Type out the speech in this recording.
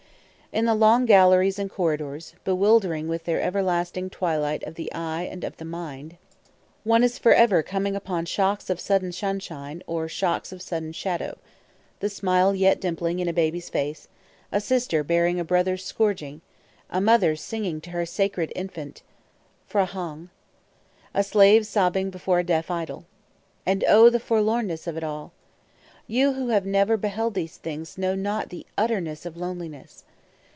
In the long galleries and corridors, bewildering with their everlasting twilight of the eye and of the mind, one is forever coming upon shocks of sudden sunshine or shocks of sudden shadow, the smile yet dimpling in a baby's face, a sister bearing a brother's scourging; a mother singing to her "sacred infant," [Footnote: P'hra ong.] a slave sobbing before a deaf idol. And O, the forlornness of it all! You who have never beheld these things know not the utterness of loneliness.